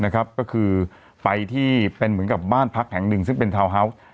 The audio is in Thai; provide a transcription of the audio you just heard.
ก็คือไปที่เป็นเหมือนกับบ้านพักแห่งหนึ่งซึ่งเป็นทาวน์ฮาวส์